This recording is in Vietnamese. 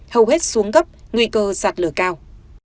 hầu hết xuống gấp nguy cơ sạt lở cao